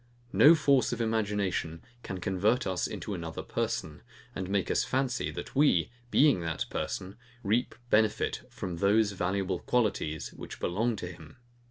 No force of imagination can convert us into another person, and make us fancy, that we, being that person, reap benefit from those valuable qualities, which belong to him.